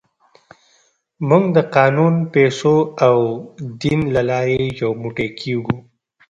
موږ د قانون، پیسو او دین له لارې یو موټی کېږو.